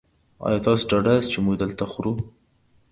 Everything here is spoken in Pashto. ایا تاسو ډاډه یاست چې موږ دلته خورو؟